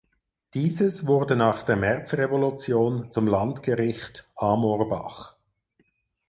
Dieses wurde nach der Märzrevolution zum Landgericht Amorbach.